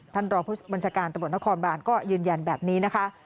ท่านรอบบริษัทบริษฐการณ์ตำรวจนครบ้านก็ยืนยันแบบนี้นะคะ